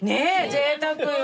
ぜいたくよ。